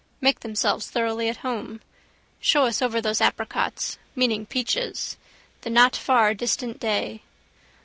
Make themselves thoroughly at home. Show us over those apricots, meaning peaches. The not far distant day.